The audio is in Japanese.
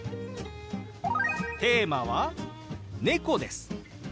テーマは「猫」です。